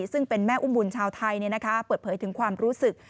ซึ่งเป็นแม่อุ้มบุญชาวไทยเปิดเผยถึงความรู้สึก